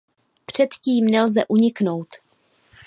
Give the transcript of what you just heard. Před tím nelze uniknout.